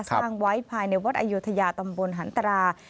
สร้างไว้ภายในวัดอายุทยาตำบลหันตรา